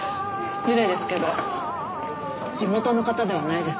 失礼ですけど地元の方ではないですよね？